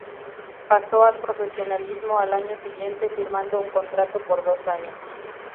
Pasó al profesionalismo al año siguiente, firmando un contrato por dos años.